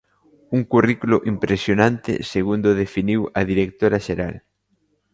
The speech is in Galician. Un currículo "impresionante", segundo definiu a directora xeral.